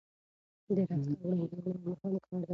د رفتار وړاندوينه یو مهم کار دی.